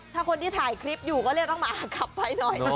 ถ้าคนที่ถ่ายคลิปอยู่ก็เรียกน้องมาขับไปหน่อย